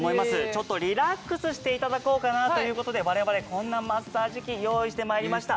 ちょっとリラックスしていただこうかなということでわれわれこんなマッサージ機用意してまいりました。